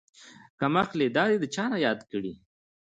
کمقلې دادې چانه ياد کړي.